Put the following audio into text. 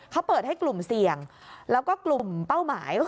เขาเปิดให้กลุ่มเสี่ยงแล้วก็กลุ่มเป้าหมายก็คือ